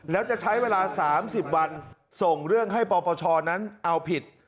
แล้วจะใช้เวลา๓๐วันส่งเรื่องให้ปปชนั้นเอาผิด